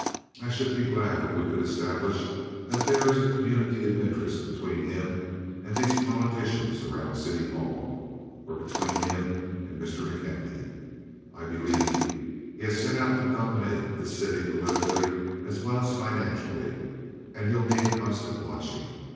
I should be glad if we could establish that there is a community of interest between him and these politicians around City Hall, or between him and Mr. McKenty. I believe he has set out to dominate this city politically as well as financially, and he'll need constant watching.